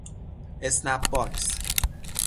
اسنپ باکس